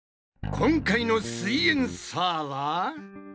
今回の「すイエんサー」は？